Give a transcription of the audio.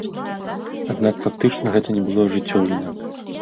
Аднак, фактычна гэта не было ажыццёўлена.